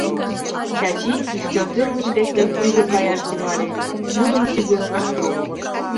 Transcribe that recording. Чачи, ӱстел тӧр гыч лектын, тӱгӧ каяш тӱҥале, тудым тӱгӧ ышт лук.